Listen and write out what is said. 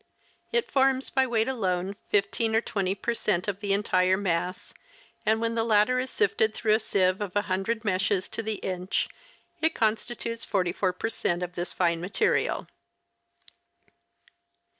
It forms by weight alone 15 or 20 per cent, of the entire mass, and when the latter is sifted through a sieve of a hundred meshes to the inch it constitutes 44 per cent, of this fine material.